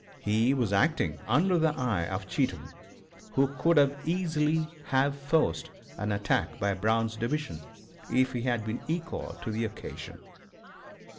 He was acting under the eye of Cheatham, who could easily have forced an attack by Brown's Division if he had been equal to the occasion.